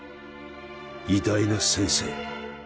偉大な先生